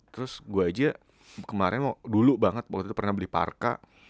terus gue aja kemarin dulu banget waktu itu pernah beli parka